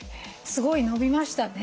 すごい伸びましたね。